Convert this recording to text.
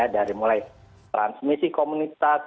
dari mulai transmisi komunitas